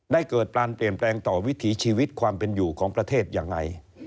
เกิดการเปลี่ยนแปลงต่อวิถีชีวิตความเป็นอยู่ของประเทศยังไง